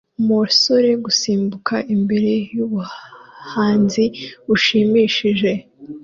Umusore gusimbuka imbere yubuhanzi bushimishije